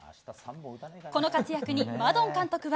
この活躍にマドン監督は。